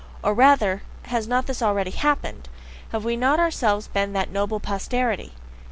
Or rather, has not this already happened? Have not we ourselves been that "noble posterity"?